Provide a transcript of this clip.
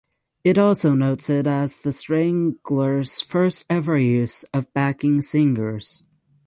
It also notes it as The Stranglers first ever use of backing singers.